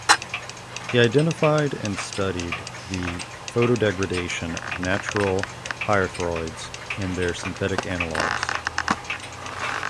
He identified and studied the photodegradation of natural pyrethroids and their synthetic analogs.